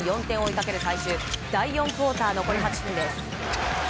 ４点を追いかける最終第４クオーター残り８分です。